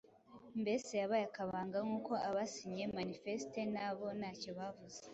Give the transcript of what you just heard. Mbese yabaye akabanga nk'uko abasinye Manifeste nabo ntacyo bavuze